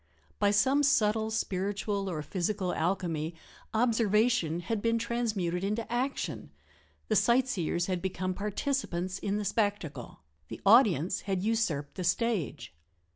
By some subtle spiritual or physical alchemy observation had been transmuted into action the sightseers had become participants in the spectacle the audience had usurped the stage.